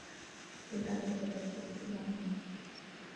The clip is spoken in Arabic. لهذا السبب جئت الى هنا.